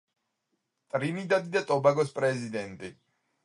ტრინიდადი და ტობაგოს პრეზიდენტი.